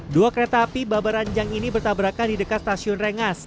dua kereta api babaranjang ini bertabrakan di dekat stasiun rengas